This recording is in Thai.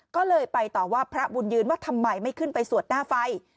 ก็เลยไปต่อว่าพระบุญยืนว่าทำไมไม่ขึ้นไปสวดหน้าไฟ